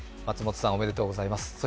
松本さん、おめでとうございます。